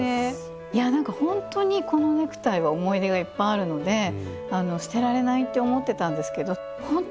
いやなんかほんとにこのネクタイは思い出がいっぱいあるので捨てられないって思ってたんですけどほんとに今回よかったです。